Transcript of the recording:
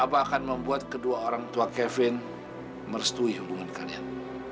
apa akan membuat kedua orang tua kevin merestui hubungan kalian